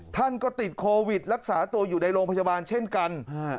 ท่านก็ติดโควิดรักษาตัวอยู่ในโรงพยาบาลเช่นกัน